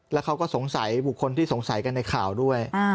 แล้วเขาก็สงสัยบุคคลที่สงสัยกันในข่าวด้วย